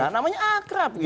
namanya akrab gitu